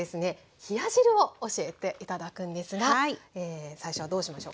冷や汁を教えて頂くんですが最初はどうしましょうか？